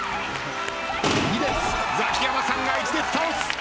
ザキヤマさんが１列倒す。